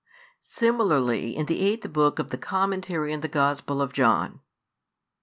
|165 SIMILARLY, IN THE EIGHTH BOOK OF THE COMMENTARY ON THE GOSPEL OF JOHN.